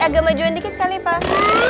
agak majuan dikit kali pak